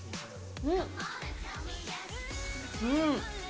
うん。